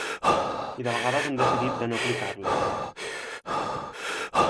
I de vegades han decidit de no aplicar-les.